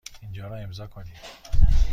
اینجا را امضا کنید.